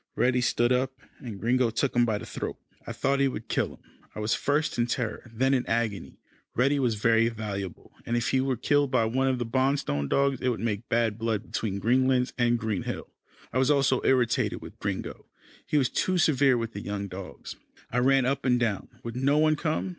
Reddy stood up, and Gringo took him by the throat. I thought he would kill him. I was first in terror, then in agony. Reddy was very valuable, and if he were killed by one of the Bonstone dogs, it would make bad blood between Greenlands and Green Hill. I was also irritated with Gringo. He was too severe with the young dogs. I ran up and down. Would no one come?